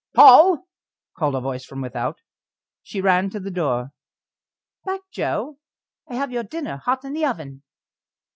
"Poll!" called a voice from without; she ran to the door. "Back, Joe! I have your dinner hot in the oven."